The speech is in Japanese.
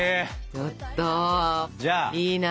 ちょっといいな。